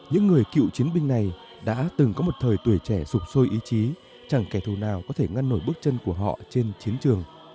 những người cựu chiến binh này đã từng có một thời tuổi trẻ sụp sôi ý chí chẳng kẻ thù nào có thể ngăn nổi bước chân của họ trên chiến trường